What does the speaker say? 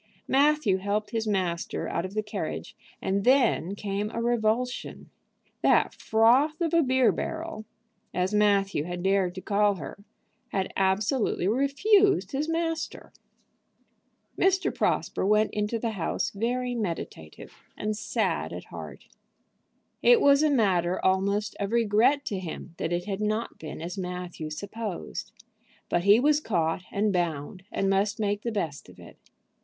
Matthew helped his master out of the carriage, and then came a revulsion. That "froth of a beer barrel," as Matthew had dared to call her, had absolutely refused his master. Mr. Prosper went into the house very meditative, and sad at heart. It was a matter almost of regret to him that it had not been as Matthew supposed. But he was caught and bound, and must make the best of it.